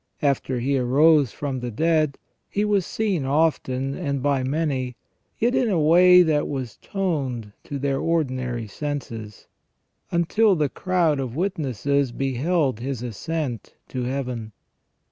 After He arose from the dead. He was seen often, and by many, yet in a way that was toned to their ordinary senses, until the crowd of witnesses beheld His ascent to Heaven.